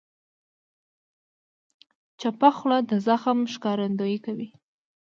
چپه خوله، د زغم ښکارندویي کوي.